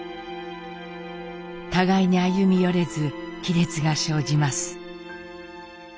互いに歩み寄れず亀裂が生じます。